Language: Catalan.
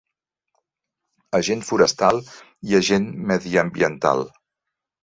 Agent Forestal i Agent Mediambiental.